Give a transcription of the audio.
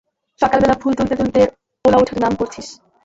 সকালবেলা ফুল তুলতে তুলতে ওলাউঠার নাম করছিস!